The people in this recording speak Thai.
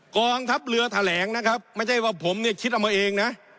กองทัพเรือแถลงนะครับไม่ใช่ว่าผมเนี่ยคิดเอามาเองนะ